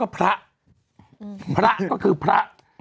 พระก็คือพระ